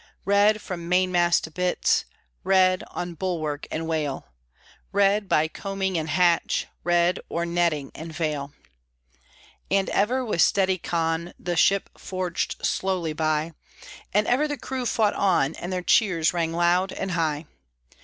Red, from mainmast to bitts! Red, on bulwark and wale, Red, by combing and hatch, Red, o'er netting and vail! And ever, with steady con, The ship forged slowly by, And ever the crew fought on, And their cheers rang loud and high.